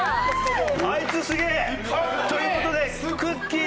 あいつすげえ！という事でくっきー！